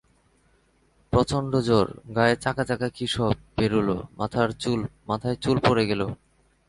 প্রচণ্ড জ্বর, গায়ে চাকাচাকা কী সব বেরুল, মাথায় চুল পড়ে গেল।